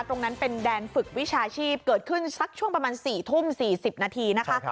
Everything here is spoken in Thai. ตรงนั้นเป็นแดนฝึกวิชาชีพเกิดขึ้นสักช่วงประมาณ๔ทุ่ม๔๐นาทีนะคะ